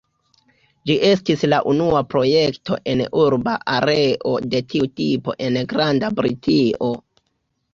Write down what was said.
Ĝi estis la unua projekto en urba areo de tiu tipo en Granda Britio.